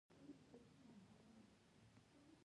نن ورځ زه ډیر ستومان وم .